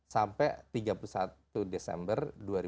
sampai tiga puluh satu desember dua ribu dua puluh